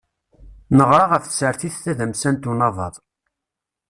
Neɣra ɣef tsertit tadamsant unabaḍ.